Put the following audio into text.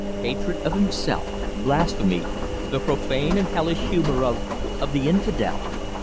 Hatred of himself, blasphemy, the profane and hellish humour of of the infidel!